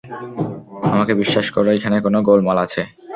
আমাকে বিশ্বাস কর, এখানে কোন গোলমাল আছে।